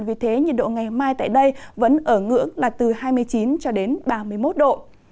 vì thế nhiệt độ ngày mai tại đây vẫn ở ngưỡng là từ hai mươi chín cho đến ba mươi một độ